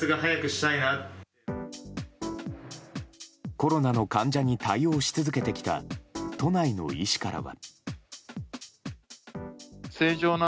コロナの患者に対応し続けてきた都内の医師からは。